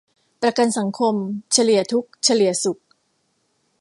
ประกันสังคม เฉลี่ยทุกข์เฉลี่ยสุข